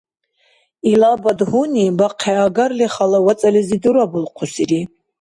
Илабад гьуни бахъхӀиагарли Хала вацӀализи дурабулхъусири.